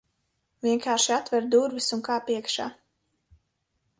Vienkārši atver durvis, un kāp iekšā.